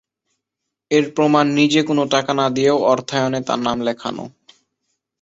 এর প্রমাণ নিজে কোনো টাকা না দিয়েও অর্থায়নে তাঁর নাম লেখানো।